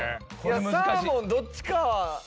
サーモンどっちかはどういう。